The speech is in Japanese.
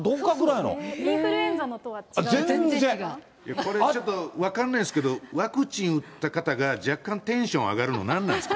これはちょっと、分かんないですけど、ワクチン打った方が、若干テンション上がるの何なんですか？